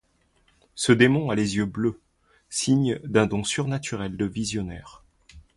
Ce démon a les yeux bleus, signe d'un don surnaturel de visionnaire.